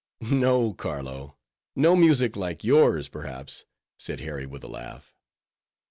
"No, Carlo; no music like yours, perhaps," said Harry, with a laugh.